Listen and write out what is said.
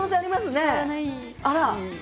あら！